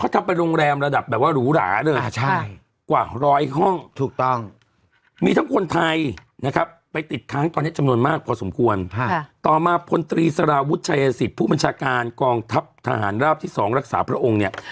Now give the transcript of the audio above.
ต่อมาพลตรีสลาวุธชายสิทธิ์ผู้บัญชากาลกองทัพทหารราบที่๒รักษาพระองค์เนี่ย